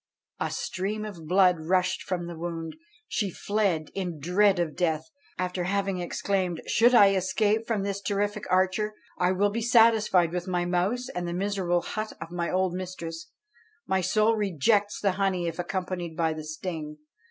A stream of blood rushed from the wound. She fled, in dread of death, after having exclaimed, "Should I escape from this terrific archer, I will be satisfied with my mouse and the miserable hut of my old mistress. My soul rejects the honey if accompanied by the sting.